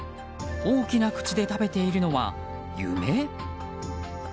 大きな口で食べているのは夢？